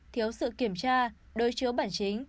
thiếu sự kiểm tra đôi chứa bản chính